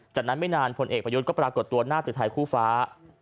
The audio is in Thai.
จากนั้นไม่นานภรรนเปยุทธก็ปรากฏ๑๕๐๐ตัวหน้าตรือท้ายคู่ฟ้า